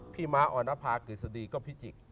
พี่ม้าออนภาเกิดสดีก็พิจิกษ์